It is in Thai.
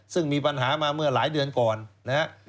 ซึ่งมีปัญหามาเมื่อหลายเดือนก่อนนะครับ